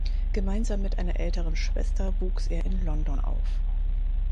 Gemeinsam mit einer älteren Schwester wuchs er in London auf.